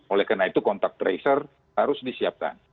oleh karena itu kontak tracer harus disiapkan